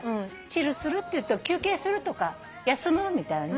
チルする？って言うと休憩する？とか休む？みたいな。